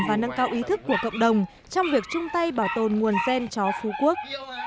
và nâng cao ý thức của cộng đồng trong việc chung tay bảo tồn nguồn gen chó phú quốc